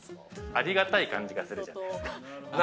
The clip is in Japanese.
ありがたい感じがするじゃないですか。